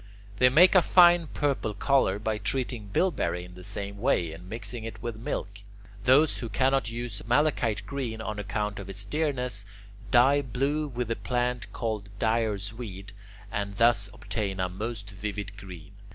They make a fine purple colour by treating bilberry in the same way and mixing it with milk. Those who cannot use malachite green on account of its dearness, dye blue with the plant called dyer's weed, and thus obtain a most vivid green.